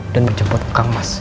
dan menjemput kang mas